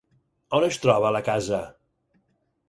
On es troba la casa?